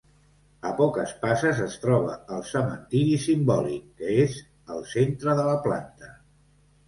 A poques passes es troba el cementiri simbòlic, que és el centre de la planta.